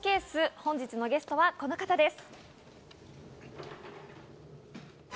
本日のゲストはこの方です。